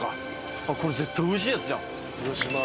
これ絶対おいしいやつじゃん。